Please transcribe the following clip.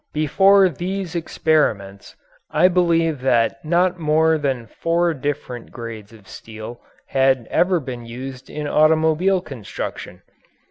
Before these experiments I believe that not more than four different grades of steel had ever been used in automobile construction.